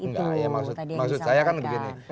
tadi yang disampaikan